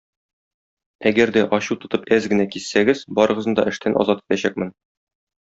Әгәр дә, ачу тотып, әз генә киссәгез, барыгызны да эштән азат итәчәкмен.